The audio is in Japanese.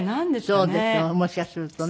もしかするとね。